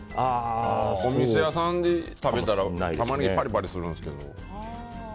お店屋さんで食べたらタマネギパリパリするんですけど。